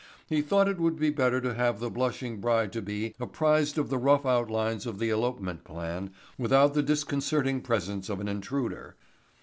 He thought it would be better to have the blushing bride to be apprised of the rough outlines of the elopement plan without the disconcerting presence of an intruder.